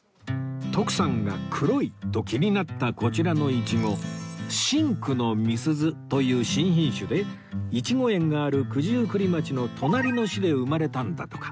徳さんが黒いと気になったこちらのイチゴ真紅の美鈴という新品種でイチゴ園がある九十九里町の隣の市で生まれたんだとか